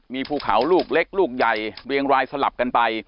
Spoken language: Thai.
มีภูเขาลูกเล็กลูกใหญ่เรียงรายสลับกันไป